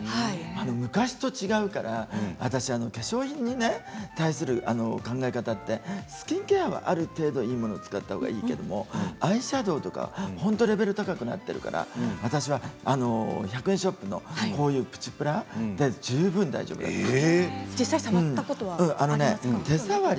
昔と違うから私化粧品に対する考え方ってスキンケアはある程度いいものを使ったほうがいいけれどもアイシャドーとか本当にレベルが高くなってるから私は、１００円ショップのこういうプチプラで十分大丈夫だと思う。